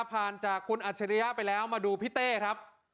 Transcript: ผ่านจากคุณอัจฉริยะไปแล้วมาดูพี่เต้ครับ